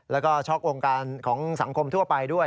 แล้วก็ช็อกวงการของสังคมทั่วไปด้วย